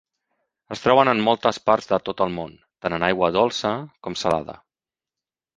Es troben en moltes parts de tot el món, tant en aigua dolça com salada.